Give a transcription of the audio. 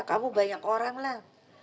kamu banyak orang lah